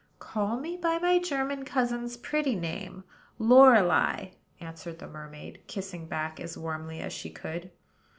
"Call me by my German cousin's pretty name, Lorelei," answered the mermaid, kissing back as warmly as she could.